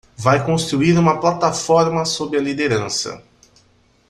Vai construir uma plataforma sob a liderança